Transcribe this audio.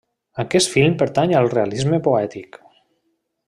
Aquest film pertany al realisme poètic.